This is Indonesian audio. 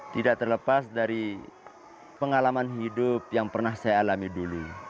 tidak terlepas dari pengalaman hidup yang pernah saya alami dulu